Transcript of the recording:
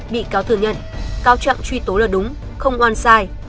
bị cáo thừa nhận cáo chặng truy tố là đúng không oan sai